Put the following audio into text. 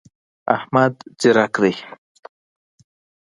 احمد ځیرک دی.